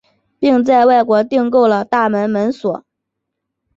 并在国外订购了大门门锁。